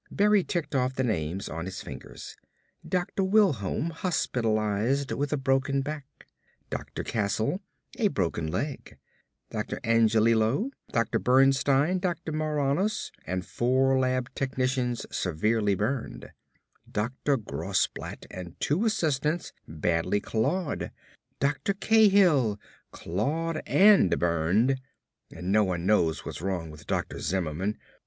Berry ticked off the names on his fingers: "Dr. Wilholm hospitalized with a broken back; Dr. Castle, a broken leg; Dr. Angelillo, Dr. Bernstein, Dr. Maranos and four lab technicians severely burned; Dr. Grossblatt and two assistants, badly clawed; Dr. Cahill, clawed and burned; and no one knows what's wrong with Dr. Zimmerman.